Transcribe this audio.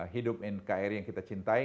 hidup di kri yang kita cintai